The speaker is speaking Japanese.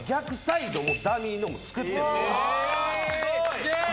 すげえ！